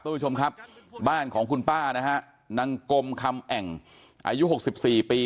คุณผู้ชมครับบ้านของคุณป้านะฮะนางกลมคำแอ่งอายุ๖๔ปี